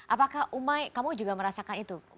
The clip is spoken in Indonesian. apakah umai kamu juga merasakan itu